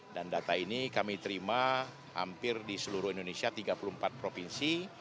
dan data ini kami terima hampir di seluruh indonesia tiga puluh empat provinsi